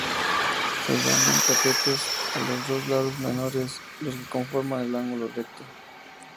Se llaman catetos a los dos lados menores, los que conforman el ángulo recto.